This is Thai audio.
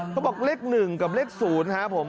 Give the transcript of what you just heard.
เขาบอกเลข๑กับเลข๐ครับผม